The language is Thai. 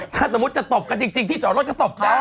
ถ้าสมมุติจะตบกันจริงที่จอดรถก็ตบได้